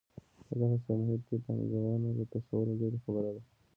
په دغسې یو محیط کې پانګونه له تصوره لرې خبره ده.